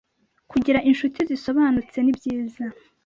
Kugira inshuti zisobanutse ni byiza,